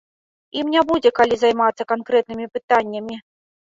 Ім не будзе калі займацца канкрэтнымі пытаннямі.